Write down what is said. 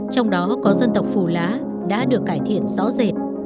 trong đó có dân tộc phù lá đã được cải thiện rõ rệt